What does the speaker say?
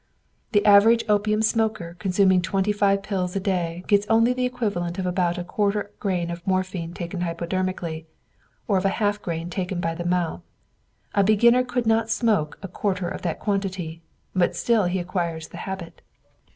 The average opium smoker consuming twenty five pills a day gets only the equivalent of about a quarter grain of morphine taken hypodermically or of a half grain taken by the mouth. A beginner could not smoke a quarter of that quantity, but still he acquires the habit.